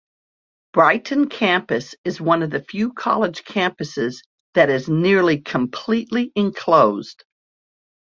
Brighton Campus is one of the few college campuses that is nearly completely enclosed.